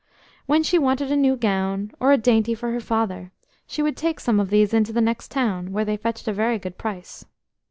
When she wanted a new gown, or a dainty for her father, she would take some of these into the next town, where they fetched a very good price.